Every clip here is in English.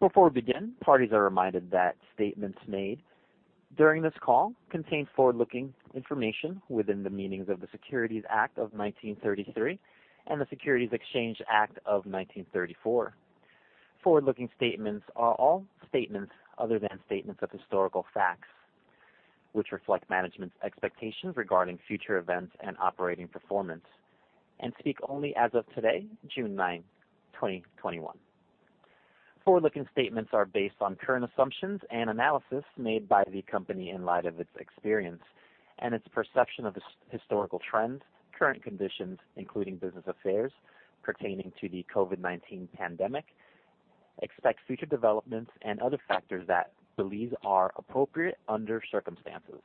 Before we begin, parties are reminded that statements made during this call contain forward-looking information within the meaning of the Securities Act of 1933 and the Securities Exchange Act of 1934. Forward-looking statements are all statements other than statements of historical fact, which reflect management's expectations regarding future events and operating performance and speak only as of today, June 9th, 2021. Forward-looking statements are based on current assumptions and analysis made by the company in light of its experience and its perception of historical trends, current conditions, including business affairs pertaining to the COVID-19 pandemic, expected future developments and other factors that we believe are appropriate under circumstances.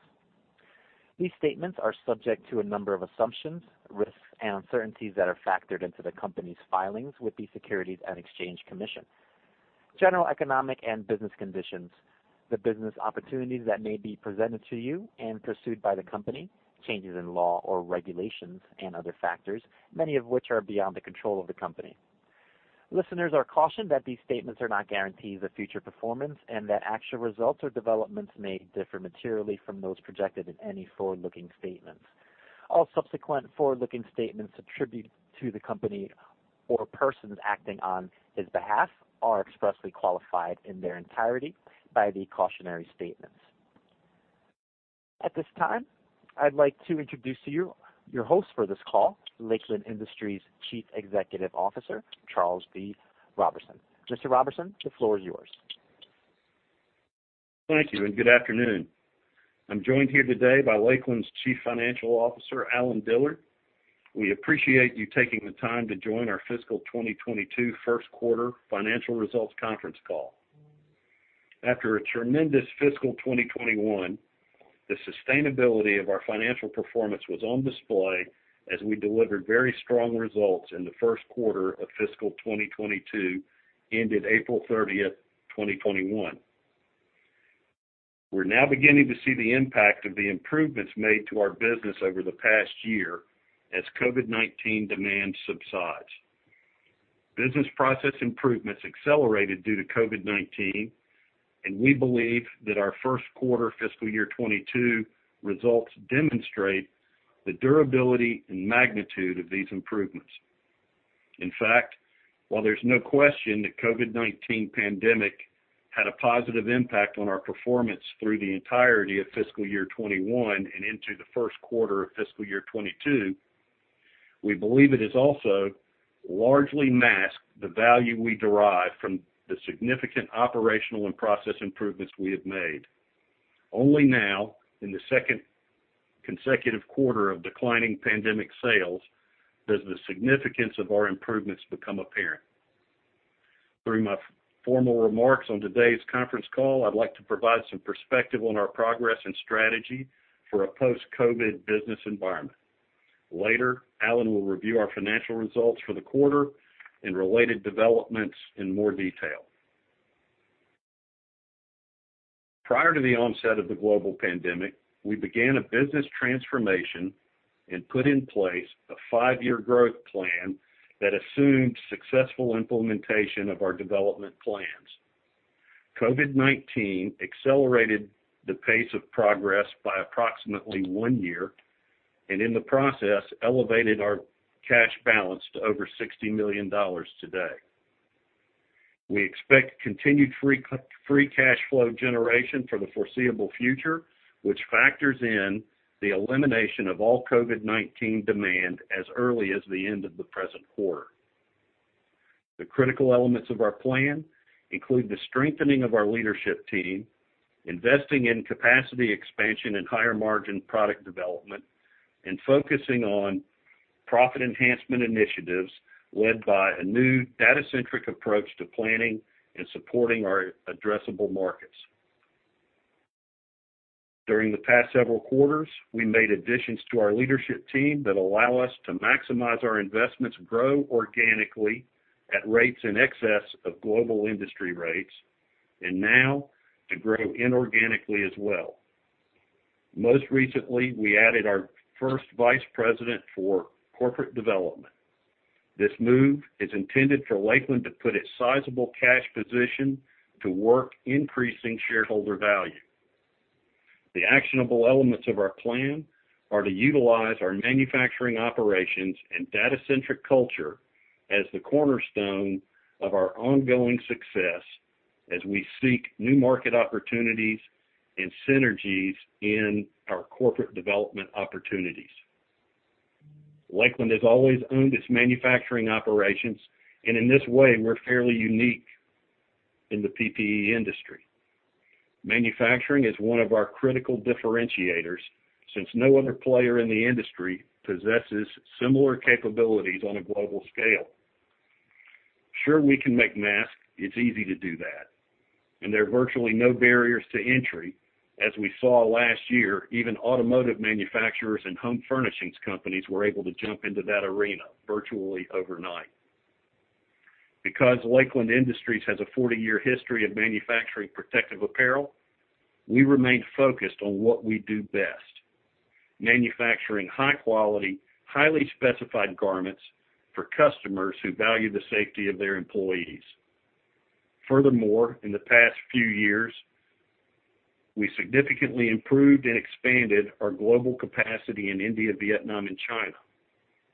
These statements are subject to a number of assumptions, risks, and uncertainties that are factored into the company's filings with the Securities and Exchange Commission. General economic and business conditions, the business opportunities that may be presented to you and pursued by the company, changes in law or regulations and other factors, many of which are beyond the control of the company. Listeners are cautioned that these statements are not guarantees of future performance, and that actual results or developments may differ materially from those projected in any forward-looking statements. All subsequent forward-looking statements attributed to the company or persons acting on its behalf are expressly qualified in their entirety by the cautionary statements. At this time, I'd like to introduce to you your host for this call, Lakeland Industries Chief Executive Officer, Charles D. Roberson. Mr. Roberson, the floor is yours. Thank you, and good afternoon. I'm joined here today by Lakeland's Chief Financial Officer, Allen Dillard. We appreciate you taking the time to join our fiscal 2022 first quarter financial results conference call. After a tremendous fiscal 2021, the sustainability of our financial performance was on display as we delivered very strong results in the first quarter of fiscal 2022, ended April 30th, 2021. We're now beginning to see the impact of the improvements made to our business over the past year as COVID-19 demand subsides. Business process improvements accelerated due to COVID-19. We believe that our first quarter fiscal year 2022 results demonstrate the durability and magnitude of these improvements. In fact, while there's no question the COVID-19 pandemic had a positive impact on our performance through the entirety of fiscal year 2021 and into the first quarter of fiscal year 2022, we believe it has also largely masked the value we derive from the significant operational and process improvements we have made. Only now, in the second consecutive quarter of declining pandemic sales, does the significance of our improvements become apparent. During my formal remarks on today's conference call, I'd like to provide some perspective on our progress and strategy for a post-COVID business environment. Later, Allen will review our financial results for the quarter and related developments in more detail. Prior to the onset of the global pandemic, we began a business transformation and put in place a five-year growth plan that assumed successful implementation of our development plans. COVID-19 accelerated the pace of progress by approximately one year, and in the process, elevated our cash balance to over $60 million today. We expect continued free cash flow generation for the foreseeable future, which factors in the elimination of all COVID-19 demand as early as the end of the present quarter. The critical elements of our plan include the strengthening of our leadership team, investing in capacity expansion and higher margin product development, and focusing on profit enhancement initiatives led by a new data-centric approach to planning and supporting our addressable markets. During the past several quarters, we made additions to our leadership team that allow us to maximize our investments, grow organically at rates in excess of global industry rates, and now to grow inorganically as well. Most recently, we added our first vice president for corporate development. This move is intended for Lakeland to put its sizable cash position to work increasing shareholder value. The actionable elements of our plan are to utilize our manufacturing operations and data-centric culture as the cornerstone of our ongoing success as we seek new market opportunities and synergies in our corporate development opportunities. Lakeland has always owned its manufacturing operations, and in this way, we're fairly unique in the PPE industry. Manufacturing is one of our critical differentiators since no other player in the industry possesses similar capabilities on a global scale. Sure, we can make masks. It's easy to do that, and there are virtually no barriers to entry. As we saw last year, even automotive manufacturers and home furnishings companies were able to jump into that arena virtually overnight. Because Lakeland Industries has a 40-year history of manufacturing protective apparel, we remain focused on what we do best, manufacturing high quality, highly specified garments for customers who value the safety of their employees. Furthermore, in the past few years, we significantly improved and expanded our global capacity in India, Vietnam, and China.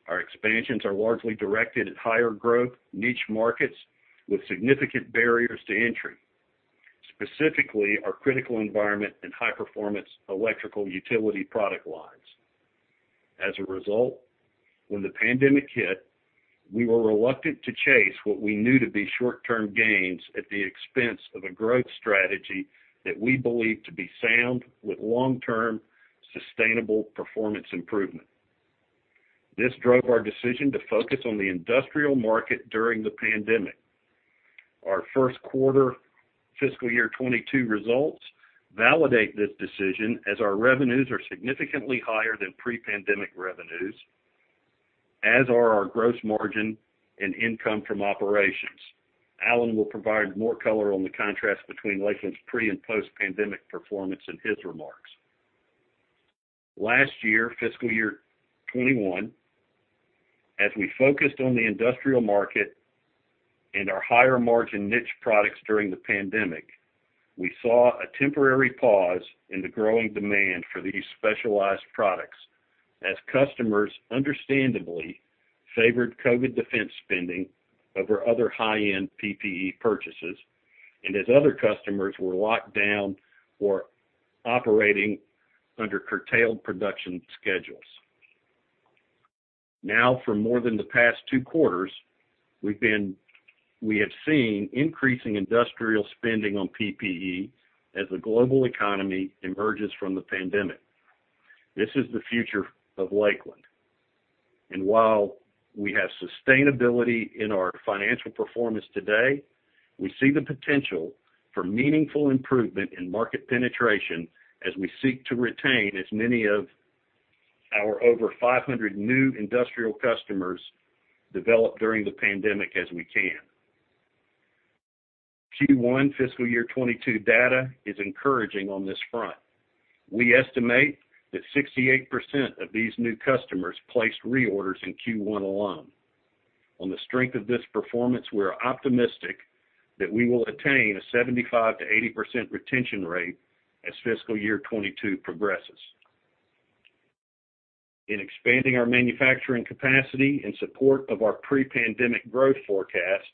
Our expansions are largely directed at higher growth niche markets with significant barriers to entry, specifically our Critical Environment and high-performance electrical utility product lines. As a result, when the pandemic hit, we were reluctant to chase what we knew to be short-term gains at the expense of a growth strategy that we believe to be sound with long-term sustainable performance improvement. This drove our decision to focus on the industrial market during the pandemic. Our first quarter fiscal year 2022 results validate this decision as our revenues are significantly higher than pre-pandemic revenues, as are our gross margin and income from operations. Allen will provide more color on the contrast between Lakeland's pre- and post-pandemic performance in his remarks. Last year, fiscal year 2021, as we focused on the industrial market and our higher-margin niche products during the pandemic, we saw a temporary pause in the growing demand for these specialized products as customers understandably favored COVID defense spending over other high-end PPE purchases, as other customers were locked down or operating under curtailed production schedules. For more than the past two quarters, we have seen increasing industrial spending on PPE as the global economy emerges from the pandemic. This is the future of Lakeland, and while we have sustainability in our financial performance today, we see the potential for meaningful improvement in market penetration as we seek to retain as many of our over 500 new industrial customers developed during the pandemic as we can. Q1 fiscal year 2022 data is encouraging on this front. We estimate that 68% of these new customers placed reorders in Q1 alone. On the strength of this performance, we are optimistic that we will attain a 75%-80% retention rate as fiscal year 2022 progresses. In expanding our manufacturing capacity in support of our pre-pandemic growth forecast,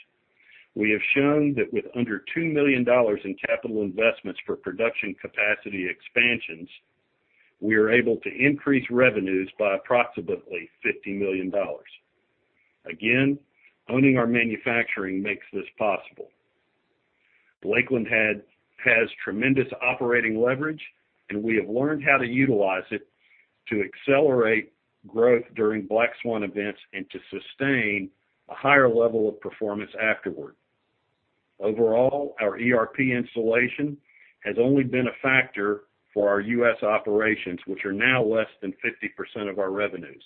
we have shown that with under $2 million in capital investments for production capacity expansions, we are able to increase revenues by approximately $50 million. Again, owning our manufacturing makes this possible. Lakeland has tremendous operating leverage, and we have learned how to utilize it to accelerate growth during black swan events and to sustain a higher level of performance afterward. Overall, our ERP installation has only been a factor for our U.S. operations, which are now less than 50% of our revenues.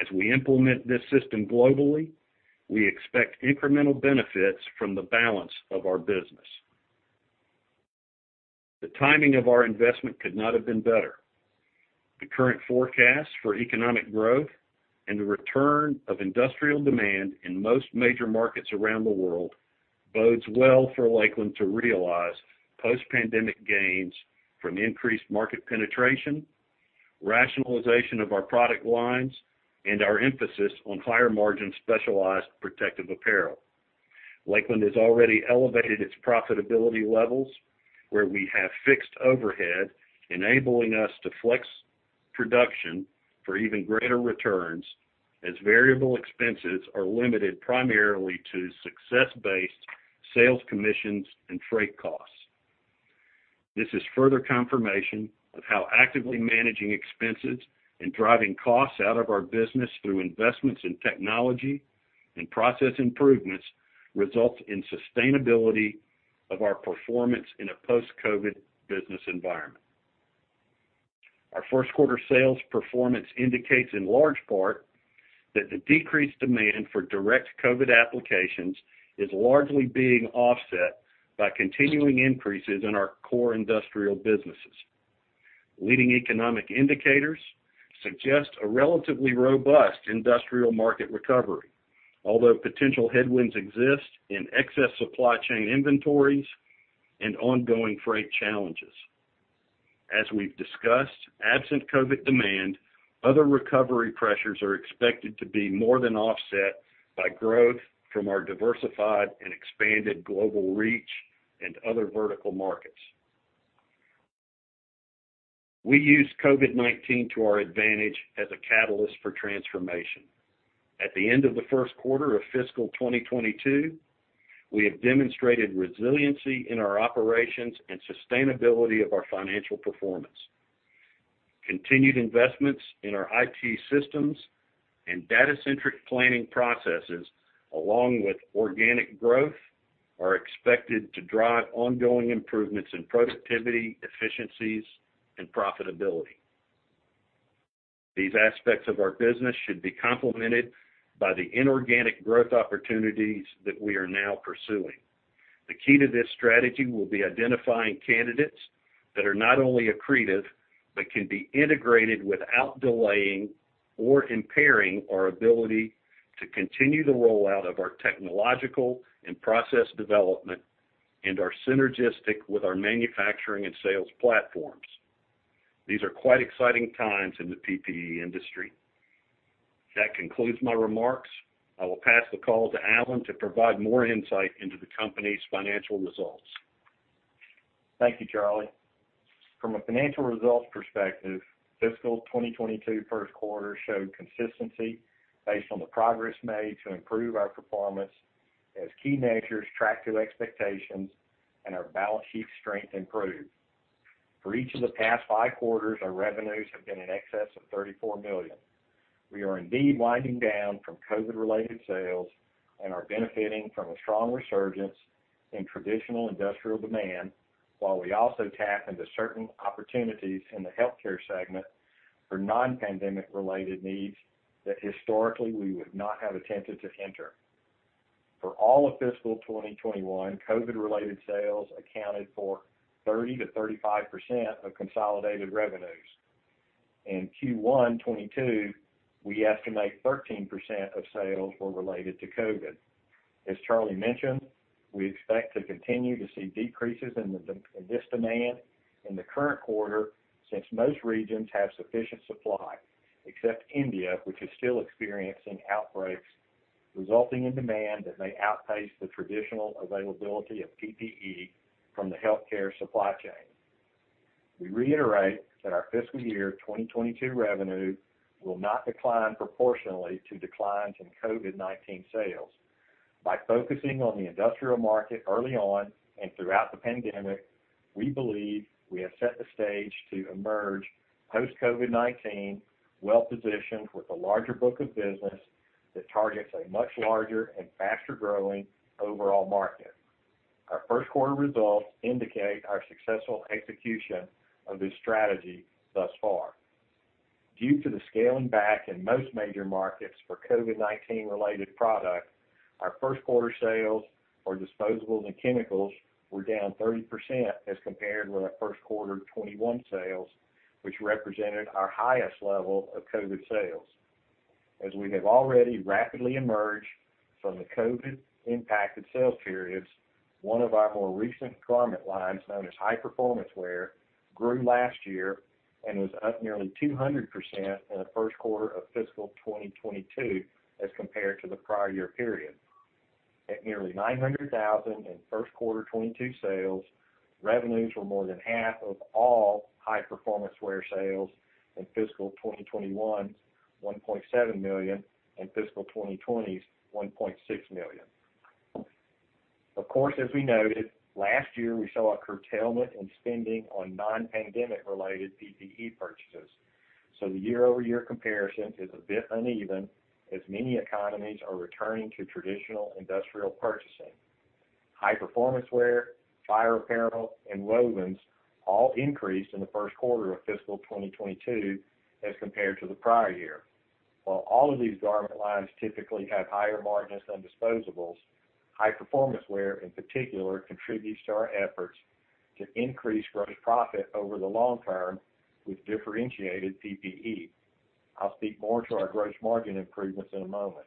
As we implement this system globally, we expect incremental benefits from the balance of our business. The timing of our investment could not have been better. The current forecast for economic growth and the return of industrial demand in most major markets around the world bodes well for Lakeland to realize post-pandemic gains from increased market penetration, rationalization of our product lines, and our emphasis on higher margin specialized protective apparel. Lakeland has already elevated its profitability levels where we have fixed overhead, enabling us to flex production for even greater returns as variable expenses are limited primarily to success-based sales commissions and freight costs. This is further confirmation of how actively managing expenses and driving costs out of our business through investments in technology and process improvements results in sustainability of our performance in a post-COVID business environment. Our first quarter sales performance indicates in large part that the decreased demand for direct COVID applications is largely being offset by continuing increases in our core industrial businesses. Leading economic indicators suggest a relatively robust industrial market recovery. Although potential headwinds exist in excess supply chain inventories and ongoing freight challenges. As we've discussed, absent COVID demand, other recovery pressures are expected to be more than offset by growth from our diversified and expanded global reach and other vertical markets. We used COVID-19 to our advantage as a catalyst for transformation. At the end of the first quarter of fiscal 2022, we have demonstrated resiliency in our operations and sustainability of our financial performance. Continued investments in our IT systems and data-centric planning processes, along with organic growth, are expected to drive ongoing improvements in productivity, efficiencies, and profitability. These aspects of our business should be complemented by the inorganic growth opportunities that we are now pursuing. The key to this strategy will be identifying candidates that are not only accretive, but can be integrated without delaying or impairing our ability to continue the rollout of our technological and process development and are synergistic with our manufacturing and sales platforms. These are quite exciting times in the PPE industry. That concludes my remarks. I will pass the call to Allen to provide more insight into the company's financial results. Thank you, Charlie. From a financial results perspective, fiscal 2022 first quarter showed consistency based on the progress made to improve our performance as key measures tracked to expectations and our balance sheet strength improved. For each of the past five quarters, our revenues have been in excess of $34 million. We are indeed winding down from COVID-related sales and are benefiting from a strong resurgence in traditional industrial demand, while we also tap into certain opportunities in the healthcare segment for non-pandemic related needs that historically we would not have attempted to enter. For all of fiscal 2021, COVID-related sales accounted for 30%-35% of consolidated revenues. In Q1 2022, we estimate 13% of sales were related to COVID. As Charlie mentioned, we expect to continue to see decreases in this demand in the current quarter since most regions have sufficient supply, except India, which is still experiencing outbreaks resulting in demand that may outpace the traditional availability of PPE from the healthcare supply chain. We reiterate that our fiscal year 2022 revenue will not decline proportionally to declines in COVID-19 sales. By focusing on the industrial market early on and throughout the pandemic, we believe we have set the stage to emerge post-COVID-19 well-positioned with a larger book of business that targets a much larger and faster-growing overall market. Our first quarter results indicate our successful execution of this strategy thus far. Due to the scaling back in most major markets for COVID-19 related product, our first quarter sales for disposables and Chemical were down 30% as compared with our first quarter 2021 sales, which represented our highest level of COVID sales. As we have already rapidly emerged from the COVID impacted sales periods, one of our more recent garment lines known as High Performance Wear grew last year and was up nearly 200% in the first quarter of fiscal 2022 as compared to the prior year period. At nearly $900,000 in first quarter 2022 sales, revenues were more than half of all High Performance Wear sales in fiscal 2021's $1.7 million and fiscal 2020's $1.6 million. Of course, as we noted, last year we saw a curtailment in spending on non-pandemic related PPE purchases, so the year-over-year comparison is a bit uneven as many economies are returning to traditional industrial purchasing. High Performance Wear, Fire Apparel, and Wovens all increased in the first quarter of fiscal 2022 as compared to the prior year. While all of these garment lines typically have higher margins than disposables, High Performance Wear in particular contributes to our efforts to increase gross profit over the long term with differentiated PPE. I'll speak more to our gross margin improvements in a moment.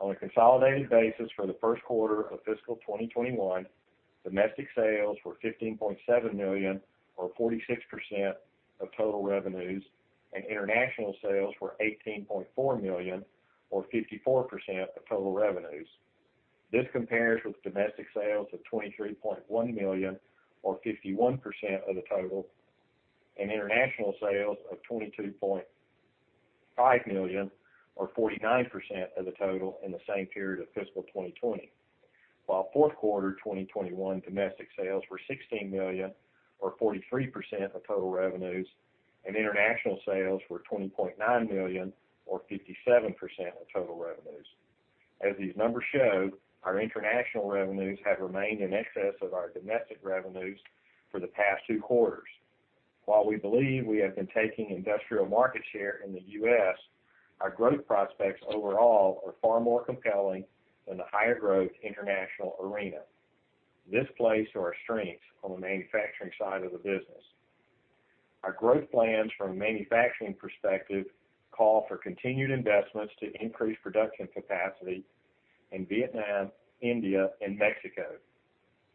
On a consolidated basis for the first quarter of fiscal 2021, domestic sales were $15.7 million or 46% of total revenues, and international sales were $18.4 million or 54% of total revenues. This compares with domestic sales of $23.1 million or 51% of the total and international sales of $22.5 million or 49% of the total in the same period of fiscal 2020. While fourth quarter 2021 domestic sales were $16 million or 43% of total revenues and international sales were $20.9 million or 57% of total revenues. As these numbers show, our international revenues have remained in excess of our domestic revenues for the past two quarters. While we believe we have been taking industrial market share in the U.S., our growth prospects overall are far more compelling in the high growth international arena. This plays to our strengths on the manufacturing side of the business. Our growth plans from a manufacturing perspective call for continued investments to increase production capacity in Vietnam, India, and Mexico.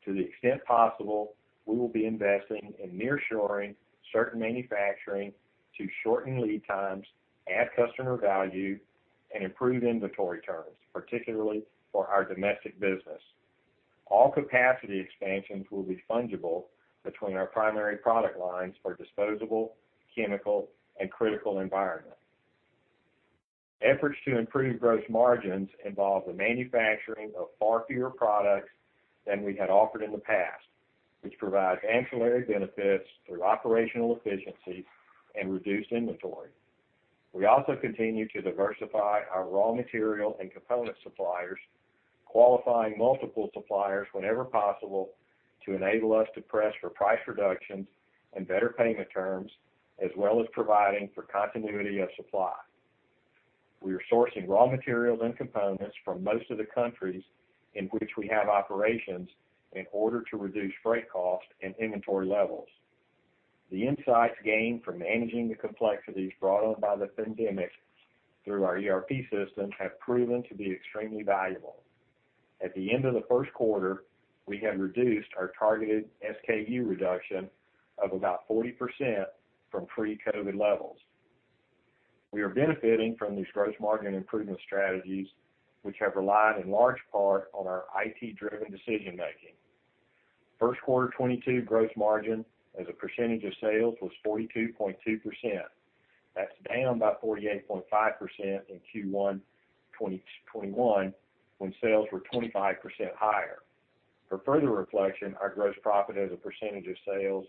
To the extent possible, we will be investing in nearshoring certain manufacturing to shorten lead times, add customer value, and improve inventory turns, particularly for our domestic business. All capacity expansions will be fungible between our primary product lines for disposables, Chemical, and Critical Environment. Efforts to improve gross margins involve the manufacturing of far fewer products than we had offered in the past, which provide ancillary benefits through operational efficiency and reduced inventory. We also continue to diversify our raw material and component suppliers. Qualifying multiple suppliers whenever possible to enable us to press for price reductions and better payment terms, as well as providing for continuity of supply. We are sourcing raw materials and components from most of the countries in which we have operations in order to reduce freight costs and inventory levels. The insights gained from managing the complexities brought on by the pandemic through our ERP systems have proven to be extremely valuable. At the end of the first quarter, we have reduced our targeted SKU reduction of about 40% from pre-COVID levels. We are benefiting from these gross margin improvement strategies, which have relied in large part on our IT-driven decision-making. First quarter 2022 gross margin as a percentage of sales was 42.2%. That's down by 48.5% in Q1 2021, when sales were 25% higher. For further reflection, our gross profit as a percentage of sales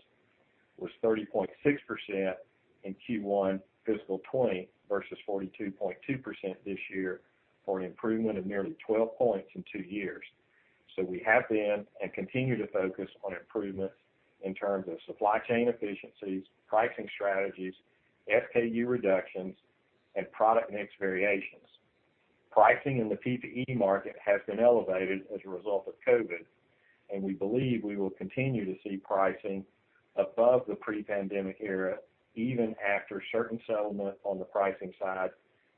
was 30.6% in Q1 fiscal 2020 versus 42.2% this year for an improvement of nearly 12 points in two years. We have been and continue to focus on improvements in terms of supply chain efficiencies, pricing strategies, SKU reductions, and product mix variations. Pricing in the PPE market has been elevated as a result of COVID, and we believe we will continue to see pricing above the pre-pandemic era even after certain settlement on the pricing side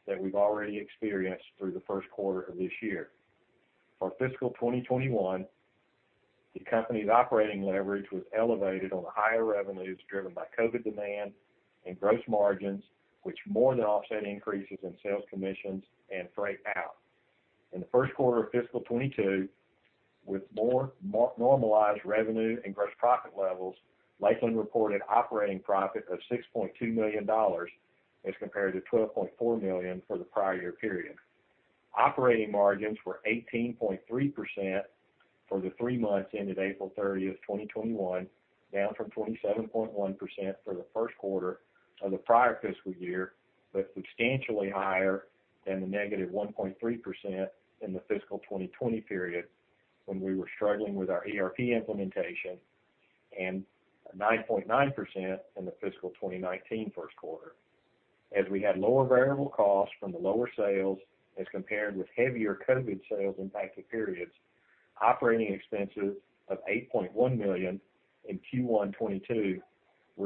that we've already experienced through the first quarter of this year. For fiscal 2021, the company's operating leverage was elevated on the higher revenues driven by COVID demand and gross margins, which more than offset increases in sales commissions and freight out. In the first quarter of fiscal 2022, with more normalized revenue and gross profit levels, Lakeland reported operating profit of $6.2 million as compared to $12.4 million for the prior year period. Operating margins were 18.3% for the three months ended April 30th, 2021, down from 27.1% for the first quarter of the prior fiscal year, but substantially higher than the -1.3% in the fiscal 2020 period when we were struggling with our ERP implementation and 9.9% in the fiscal 2019 first quarter. As we had lower variable costs from the lower sales as compared with heavier COVID sales impacted periods, operating expenses of $8.1 million in Q1 2022 were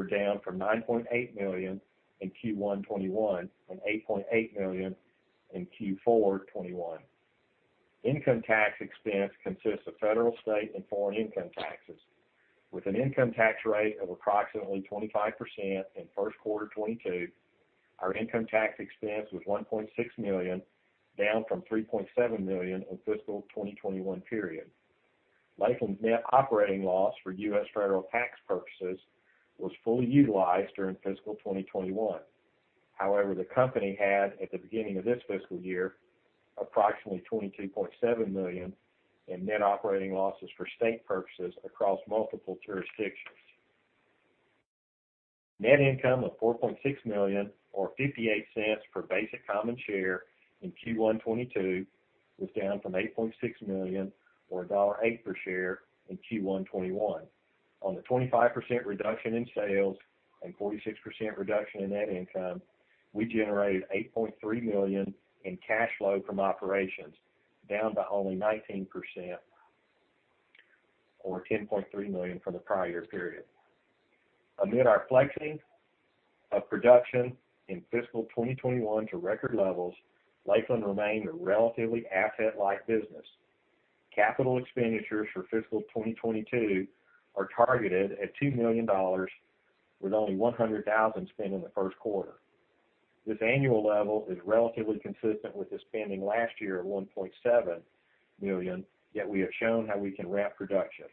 down from $9.8 million in Q1 2021 and $8.8 million in Q4 2021. Income tax expense consists of federal, state and foreign income taxes. With an income tax rate of approximately 25% in first quarter 2022, our income tax expense was $1.6 million, down from $3.7 million in fiscal 2021 period. Lakeland's net operating loss for U.S. federal tax purposes was fully utilized during fiscal 2021. The company had, at the beginning of this fiscal year, approximately $22.7 million in net operating losses for state purposes across multiple jurisdictions. Net income of $4.6 million or $0.58 per basic common share in Q1 2022 was down from $8.6 million or $1.08 per share in Q1 2021. On the 25% reduction in sales and 46% reduction in net income, we generated $8.3 million in cash flow from operations, down by only 19% or $10.3 million from the prior year period. Amid our flexing of production in fiscal 2021 to record levels, Lakeland remained a relatively asset-light business. Capital expenditures for fiscal 2022 are targeted at $2 million with only $100,000 spent in the first quarter. This annual level is relatively consistent with the spending last year at $1.7 million, yet we have shown how we can ramp production.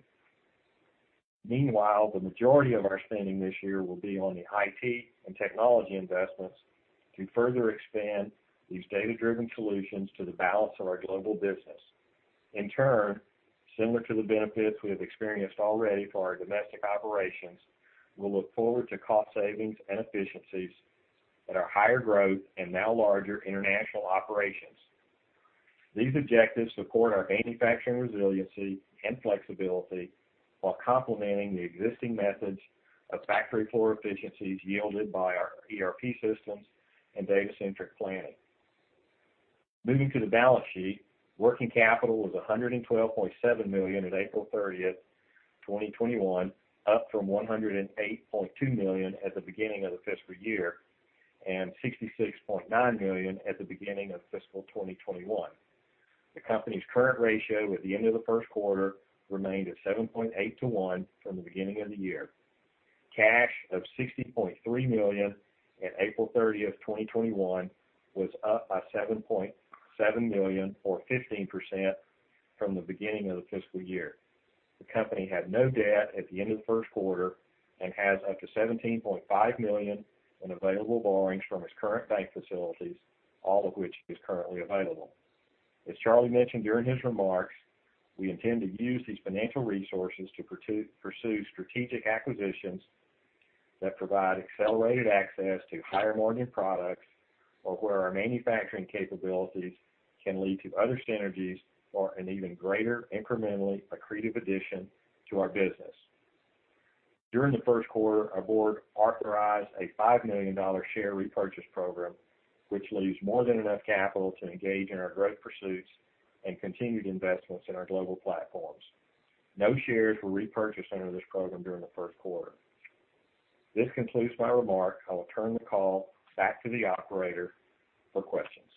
Meanwhile, the majority of our spending this year will be on the IT and technology investments to further expand these data-driven solutions to the balance of our global business. In turn, similar to the benefits we have experienced already for our domestic operations, we look forward to cost savings and efficiencies at our higher growth and now larger international operations. These objectives support our manufacturing resiliency and flexibility while complementing the existing methods of factory floor efficiencies yielded by our ERP systems and data centric planning. Moving to the balance sheet, working capital was $112.7 million at April 30th, 2021, up from $108.2 million at the beginning of the fiscal year and $66.9 million at the beginning of fiscal 2021. The company's current ratio at the end of the first quarter remained at 7.8:1 from the beginning of the year. Cash of $60.3 million at April 30th, 2021 was up by $7.7 million or 15% from the beginning of the fiscal year. The company had no debt at the end of the first quarter has up to $17.5 million in available borrowings from its current bank facilities, all of which is currently available. As Charlie mentioned during his remarks, we intend to use these financial resources to pursue strategic acquisitions that provide accelerated access to higher margin products or where our manufacturing capabilities can lead to other synergies or an even greater incrementally accretive addition to our business. During the first quarter, our board authorized a $5 million share repurchase program, which leaves more than enough capital to engage in our growth pursuits and continued investments in our global platforms. No shares were repurchased under this program during the first quarter. This concludes my remarks. I will turn the call back to the operator for questions.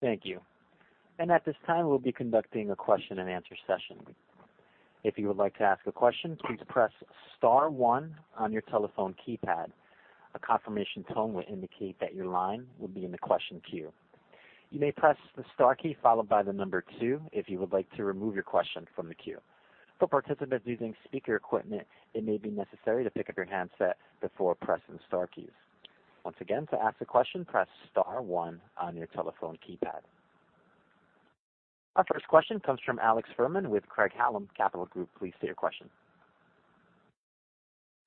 Thank you. At this time, we'll be conducting a question and answer session. If you would like to ask a question, please press star one on your telephone keypad. A confirmation tone will indicate that your line will be in the question queue. You may press the star key followed by the number two if you would like to remove your question from the queue. For participants using speaker equipment, it may be necessary to pick up your handset before pressing star keys. Once again, to ask a question, press star one on your telephone keypad. Our first question comes from Alex Fuhrman with Craig-Hallum Capital Group. Please state your question.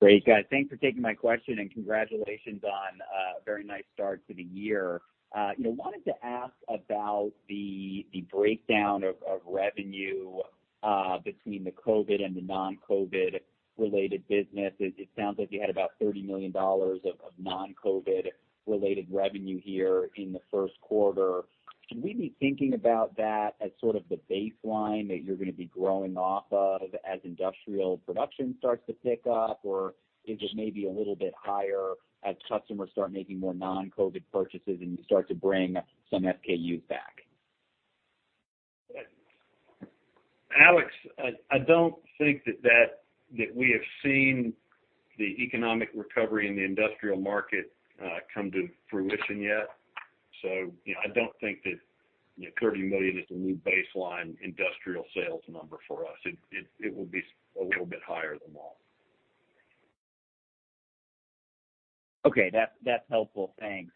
Great. Guys, thanks for taking my question and congratulations on a very nice start to the year. I wanted to ask about the breakdown of revenue between the COVID and the non-COVID related business. It sounds like you had about $30 million of non-COVID related revenue here in the first quarter. Should we be thinking about that as sort of the baseline that you're going to be growing off of as industrial production starts to pick up? Or is it maybe a little bit higher as customers start making more non-COVID purchases and you start to bring some SKUs back? Alex, I don't think that we have seen the economic recovery in the industrial market come to fruition yet. I don't think that $30 million is a new baseline industrial sales number for us. It will be a little bit higher than that. Okay. That's helpful. Thanks.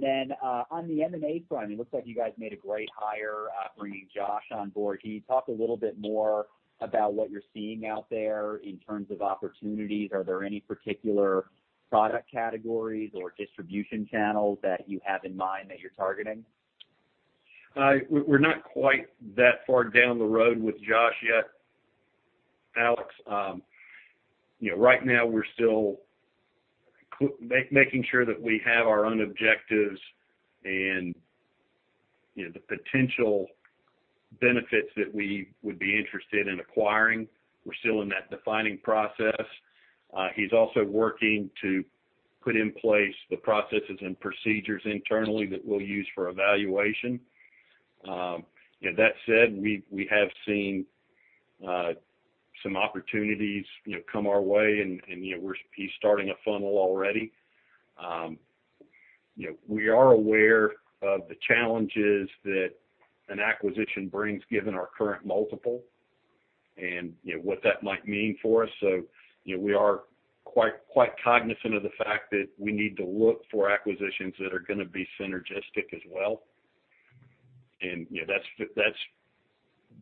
Then, on the M&A front, it looks like you guys made a great hire bringing Josh on board. Can you talk a little more about what you're seeing out there in terms of opportunities? Are there any particular product categories or distribution channels that you have in mind that you're targeting? We're not quite that far down the road with Josh yet, Alex. Right now, we're still making sure that we have our own objectives and the potential benefits that we would be interested in acquiring. We're still in that defining process. He's also working to put in place the processes and procedures internally that we'll use for evaluation. That said, we have seen some opportunities come our way, and he's starting a funnel already. We are aware of the challenges that an acquisition brings, given our current multiple and what that might mean for us. We are quite cognizant of the fact that we need to look for acquisitions that are going to be synergistic as well.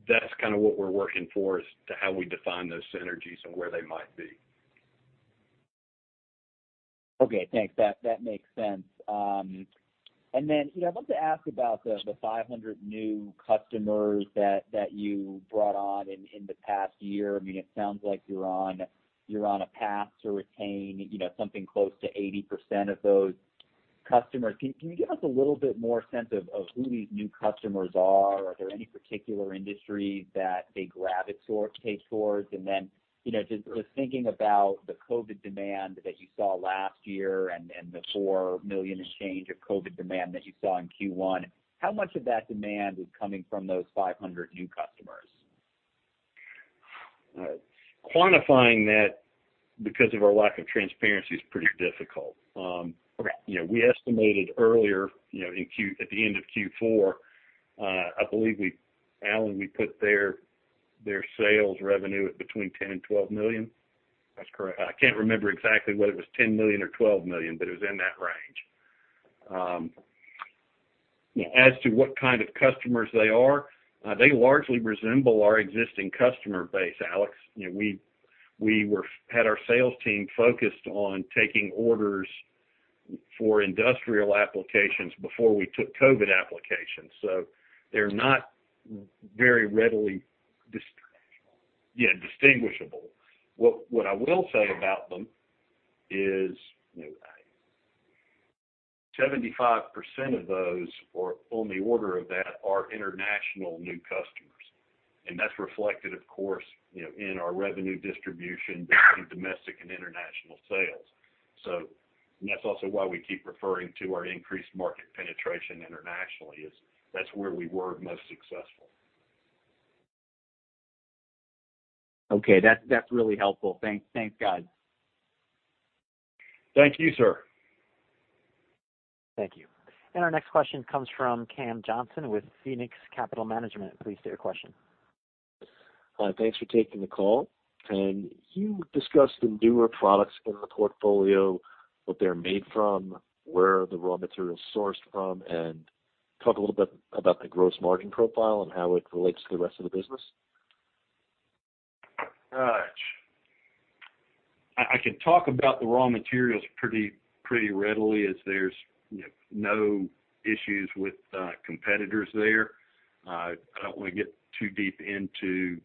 That's what we're working for, is to how we define those synergies and where they might be. Okay, thanks. That makes sense. I wanted to ask about the 500 new customers that you brought on in the past year. It sounds like you're on a path to retain something close to 80% of those customers. Can you give us a little bit more sense of who these new customers are? Are there any particular industries that they gravitate towards? Just thinking about the COVID demand that you saw last year and the $4 million tranche of COVID demand that you saw in Q1, how much of that demand is coming from those 500 new customers? Quantifying that because of our lack of transparency is pretty difficult. Okay. We estimated earlier, at the end of Q4, I believe, Allen, we put their sales revenue at between $10 million and $12 million. That's correct. I can't remember exactly whether it was $10 million or $12 million, but it was in that range. As to what kind of customers they are, they largely resemble our existing customer base, Alex. We had our sales team focused on taking orders for industrial applications before we took COVID applications. Indistinguishable. Yeah, indistinguishable. What I will say about them is 75% of those, or on the order of that, are international new customers, and that's reflected, of course, in our revenue distribution between domestic and international sales. That's also why we keep referring to our increased market penetration internationally, is that's where we were most successful. Okay. That's really helpful. Thanks, guys. Thank you, sir. Thank you. Our next question comes from Cam Johnson with Phoenix Capital Management. Please state your question. Thanks for taking the call. You discussed the newer products in the portfolio, what they're made from, where the raw material is sourced from, and talk a little bit about the gross margin profile and how it relates to the rest of the business. Gotcha. I can talk about the raw materials pretty readily as there's no issues with competitors there. I don't want to get too deep into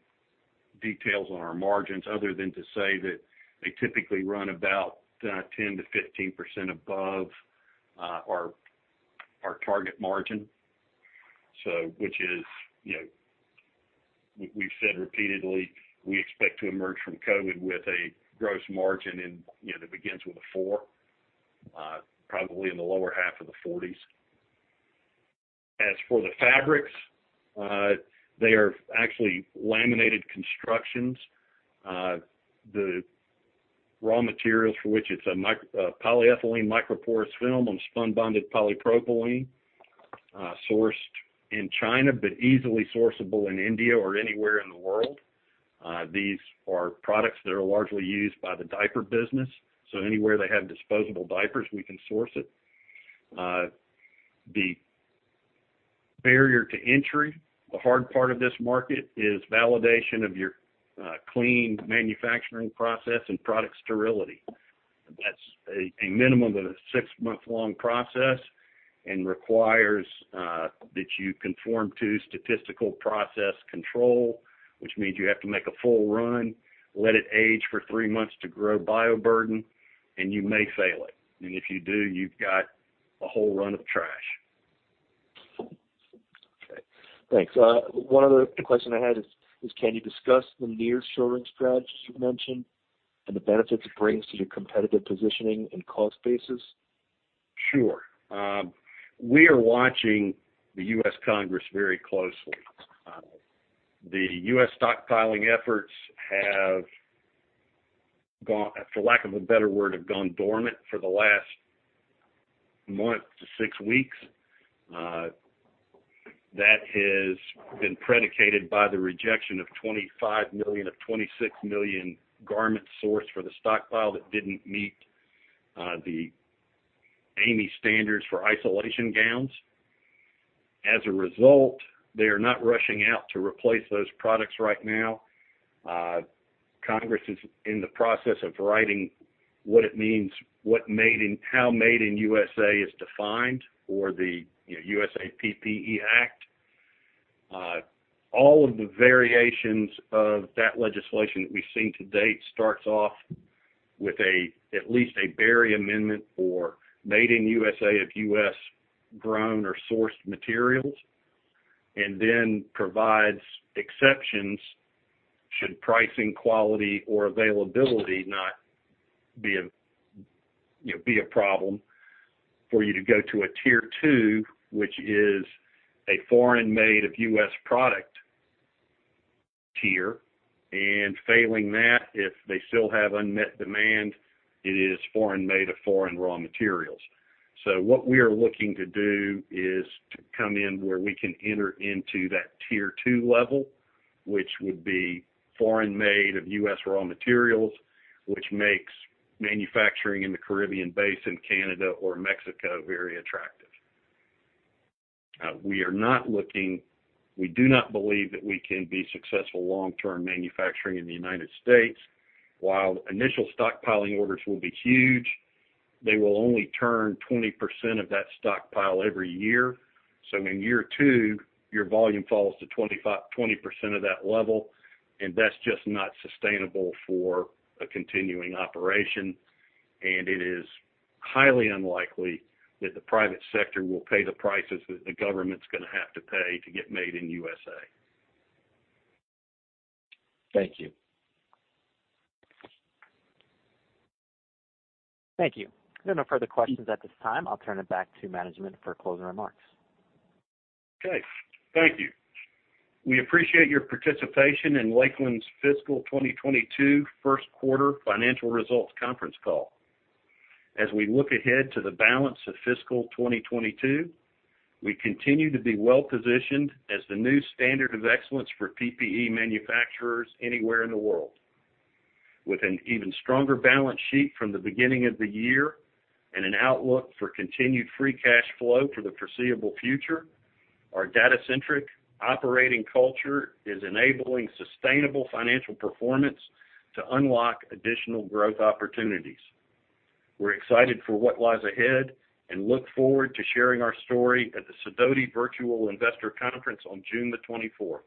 details on our margins other than to say that they typically run about 10%-15% above our target margin. Which we've said repeatedly, we expect to emerge from COVID with a gross margin that begins with a four, probably in the lower half of the 40s. As for the fabrics, they are actually laminated constructions. The raw materials for which it's a polyethylene microporous film on spunbonded polypropylene, sourced in China, but easily sourceable in India or anywhere in the world. These are products that are largely used by the diaper business, so anywhere they have disposable diapers, we can source it. The barrier to entry, the hard part of this market, is validation of your clean manufacturing process and product sterility. That's a minimum of a six-month-long process and requires that you conform to statistical process control, which means you have to make a full run, let it age for three months to grow bioburden, and you may fail it. If you do, you've got a whole run of trash. Okay, thanks. One other question I had is can you discuss the nearshoring strategy you mentioned and the benefits it brings to your competitive positioning and cost basis? Sure. We are watching the U.S. Congress very closely. The U.S. stockpiling efforts have, for lack of a better word, gone dormant for the last month to six weeks. That has been predicated by the rejection of 25 million-26 million garments sourced for the stockpile that didn't meet the AAMI standards for isolation gowns. As a result, they are not rushing out to replace those products right now. Congress is in the process of writing what it means, how Made in USA is defined for the USA PPE Act. All of the variations of that legislation that we've seen to date starts off with at least a Berry Amendment for Made in USA of U.S. grown or sourced materials, and then provides exceptions should pricing, quality, or availability not be a problem for you to go to a tier 2, which is a foreign-made of U.S. product tier. Failing that, if they still have unmet demand, it is foreign-made of foreign raw materials. What we are looking to do is to come in where we can enter into that tier 2 level, which would be foreign-made of U.S. raw materials, which makes manufacturing in the Caribbean Basin, Canada, or Mexico very attractive. We do not believe that we can be successful long-term manufacturing in the United States. While initial stockpiling orders will be huge, they will only turn 20% of that stockpile every year. In year two, your volume falls to 20% of that level, and that's just not sustainable for a continuing operation. It is highly unlikely that the private sector will pay the prices that the government's going to have to pay to get Made in USA. Thank you. Thank you. No further questions at this time. I'll turn it back to management for closing remarks. Okay. Thank you. We appreciate your participation in Lakeland's fiscal 2022 first quarter financial results conference call. As we look ahead to the balance of fiscal 2022, we continue to be well-positioned as the new standard of excellence for PPE manufacturers anywhere in the world. With an even stronger balance sheet from the beginning of the year and an outlook for continued free cash flow for the foreseeable future, our data-centric operating culture is enabling sustainable financial performance to unlock additional growth opportunities. We're excited for what lies ahead and look forward to sharing our story at the Sidoti Virtual Investor Conference on June the 24th.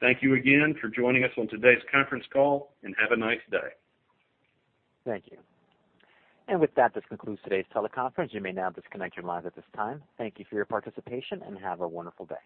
Thank you again for joining us on today's conference call, and have a nice day. Thank you. With that, this concludes today's teleconference. You may now disconnect your lines at this time. Thank you for your participation, and have a wonderful day.